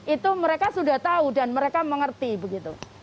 itu mereka sudah tahu dan mereka mengerti begitu